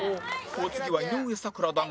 お次は井上咲楽だが